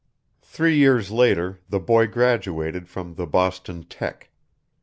Three years later the boy graduated from the Boston "Tech."